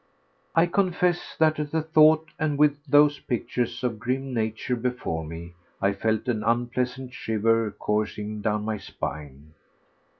I confess that at the thought, and with those pictures of grim nature before me, I felt an unpleasant shiver coursing down my spine.